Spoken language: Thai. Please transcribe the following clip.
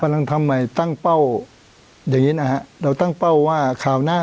ทำไมตั้งเป้าอย่างงี้นะฮะเราตั้งเป้าว่าคราวหน้า